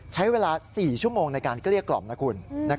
ใช้เวลา๔ชั่วโมงในการเกลี้ยกล่อมนะคุณ